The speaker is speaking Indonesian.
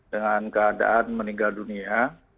dengan keadaan meninggal dunia